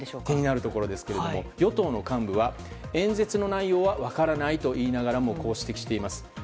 気になるところですが与党の幹部は演説の内容は分からないと言いながらもこう指摘しています。